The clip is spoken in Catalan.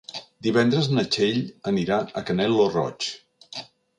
Divendres na Txell anirà a Canet lo Roig.